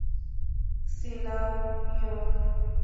سېلاو يوړ